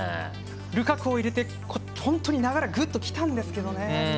ルカクを入れて流れが、ぐっときたんですけどね。